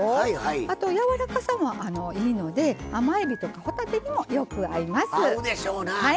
あと、やわらかさもいいので甘えびとか、ほたてにもよく合います。